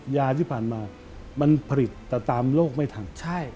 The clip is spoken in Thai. ยาที่ผ่านมามันผลิตแต่ตามโลกไม่ทัน